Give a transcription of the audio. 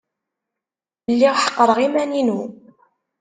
Lliɣ ḥeqreɣ iman-inu.